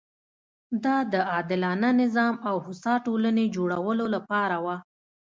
دا د عادلانه نظام او هوسا ټولنې جوړولو لپاره وه.